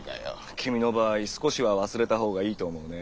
君の場合少しは忘れたほうがいいと思うね。